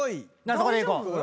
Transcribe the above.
そこでいこう。